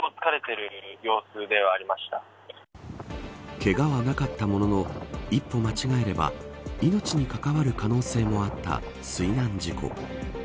けがはなかったものの一歩間違えば命に関わる可能性もあった水難事故。